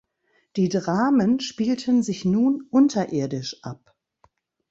Die Dramen spielten sich nun unterirdisch ab.